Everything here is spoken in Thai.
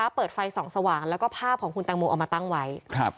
คือก็ภาพของคุณตังโมเอามาตั้งไว้